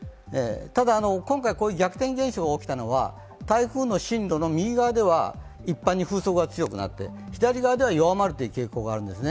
ただ、今回逆転現象が起きたのは台風の進路の右側では一般に風速が強くなって左側では弱まるという傾向があるんです。